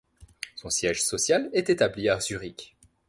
Son siège social est établi à Zurich.